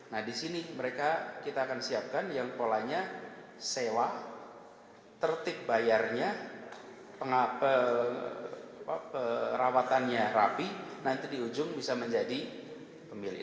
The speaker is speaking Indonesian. nah di sini mereka kita akan siapkan yang polanya sewa tertib bayarnya perawatannya rapi nanti di ujung bisa menjadi pemilik